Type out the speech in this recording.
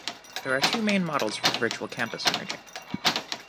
There are two main models for the virtual campus emerging.